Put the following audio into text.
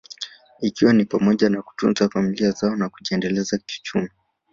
ikiwa ni pamoja na kutunza familia zao na kujiendeleza kiuchumi